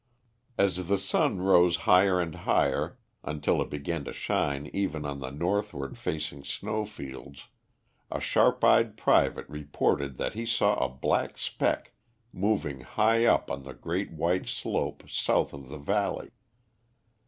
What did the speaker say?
As the sun rose higher and higher, until it began to shine even on the northward facing snow fields, a sharp eyed private reported that he saw a black speck moving high up on the great white slope south of the valley.